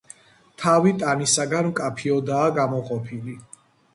თავი ტანისაგან მკაფიოდაა გამოყოფილი.